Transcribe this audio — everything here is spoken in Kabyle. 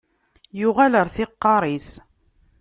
Yuɣal ar tiqqaṛ is.